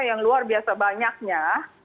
yang luar biasa banyaknya